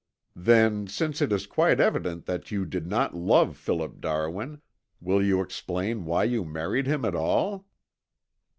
"Then since it is quite evident that you did not love Philip Darwin, will you explain why you married him at all?"